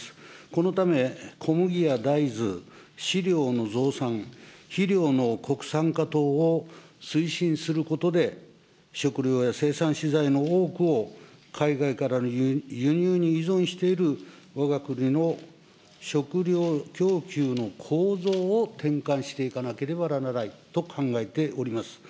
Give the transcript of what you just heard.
このため、小麦や大豆、飼料の増産、肥料の国産化等を推進することで、食料や生産資材の多くを海外からの輸入に依存しているわが国の食料供給の構造を転換していかなければならないと考えております。